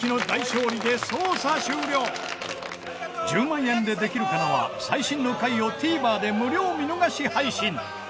『１０万円でできるかな』は最新の回をＴＶｅｒで無料見逃し配信。